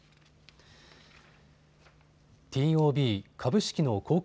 ＴＯＢ・株式の公開